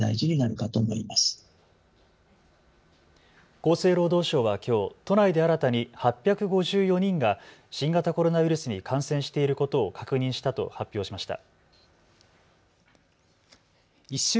厚生労働省はきょう都内で新たに８５４人が新型コロナウイルスに感染していることを確認したと発表しました。